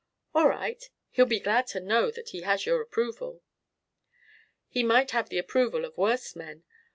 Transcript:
"All right. He'll be glad to know that he has your approval." "He might have the approval of worse men.